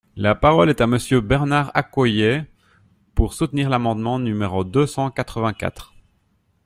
La parole est à Monsieur Bernard Accoyer, pour soutenir l’amendement numéro deux cent quatre-vingt-quatre.